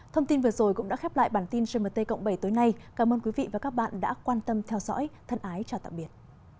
thông tin vừa rồi cũng đã khép lại bản tin gmt cộng bảy tối nay cảm ơn quý vị và các bạn đã quan tâm theo dõi thân ái chào tạm biệt